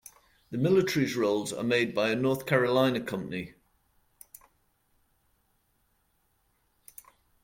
The military's rolls are made by a North Carolina company.